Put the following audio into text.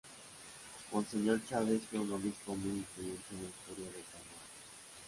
Monseñor Chávez fue un obispo muy influyente en la Historia de El Salvador.